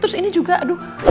terus ini juga aduh